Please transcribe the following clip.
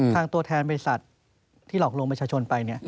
ตัวแทนบริษัทที่หลอกลวงประชาชนไป